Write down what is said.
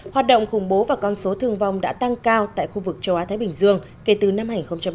hoạt động khủng bố và con số thương vong đã tăng cao tại khu vực châu á thái bình dương kể từ năm hai nghìn một mươi